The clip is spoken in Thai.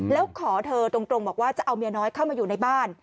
แล้วขอเธอตรงบอกว่าจะเอาเมียน้อยเข้ามาอยู่ในบ้าน